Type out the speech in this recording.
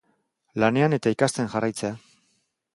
Lanean eta ikasten jarraitzea.